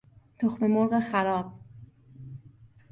تخممرغ خراب